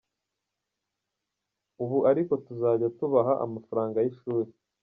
Ubu ariko tuzajya tubaha amafaranga y’ishuri”.